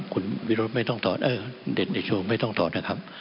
คุณวิรุธไม่ต้องถอดเออเด็ดในช่วงไม่ต้องถอดนะครับ